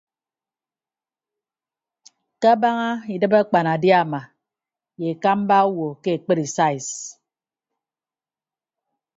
Ke abaña idịb akpanadiama ye akamba awo ke ekpri sais.